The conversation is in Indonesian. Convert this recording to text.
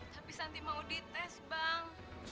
tapi santi mau dites bang